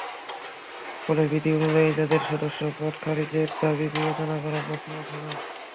ফলে বিধি অনুযায়ী তাঁদের সদস্যপদ খারিজের দাবি বিবেচনা করার প্রশ্ন ওঠে না।